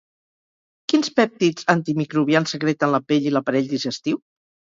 Quins pèptids antimicrobians secreten la pell i l'aparell digestiu?